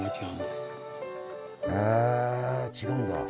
へえ違うんだ。